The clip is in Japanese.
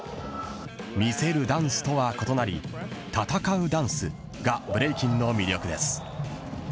見せるダンスとは異なり闘うダンスがブレイキンの魅力です。